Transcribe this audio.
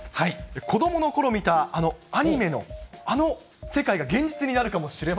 子どものころ見たあのアニメの、あの世界が現実になるかもしれま